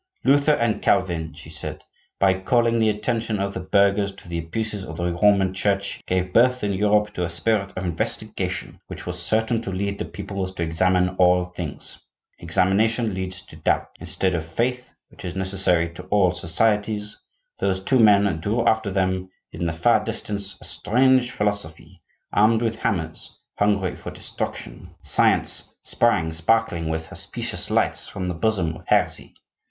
'Luther and Calvin,' she said, 'by calling the attention of the burghers to the abuses of the Roman Church, gave birth in Europe to a spirit of investigation which was certain to lead the peoples to examine all things. Examination leads to doubt. Instead of faith, which is necessary to all societies, those two men drew after them, in the far distance, a strange philosophy, armed with hammers, hungry for destruction. Science sprang, sparkling with her specious lights, from the bosom of heresy.